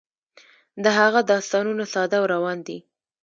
د هغه داستانونه ساده او روان دي.